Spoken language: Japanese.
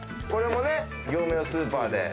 これも業務用スーパーで？